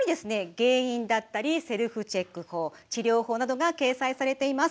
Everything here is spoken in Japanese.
原因だったりセルフチェック法治療法などが掲載されています。